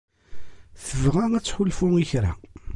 tebɣa ad tḥulfu i kra.